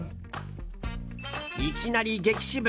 いきなり激シブ。